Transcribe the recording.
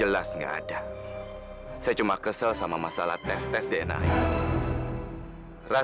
lagi ada masalah ya pak